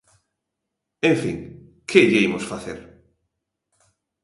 En fin, ¡que lle imos facer!